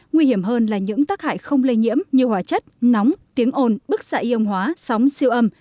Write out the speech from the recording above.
nguy hiểm hơn là những tác hại không lây nhiễm như hóa chất nóng tiếng ồn bức xạ y âm hóa sóng siêu âm